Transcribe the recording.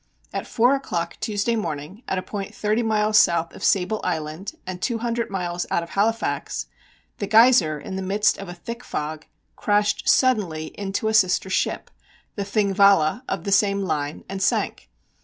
At four o'clock Tuesday morning, at a point thirty miles south of Sable Island and two hundred miles out of Halifax, the Geiser, in the midst of a thick fog, crashed suddenly into a sister ship, the Thingvalla, of the same line, and sank.